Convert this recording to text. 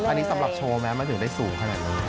แต่ก็สำหรับโชว์แม้มันถึงได้สูงขนาดนั้น